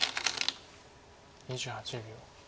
２８秒。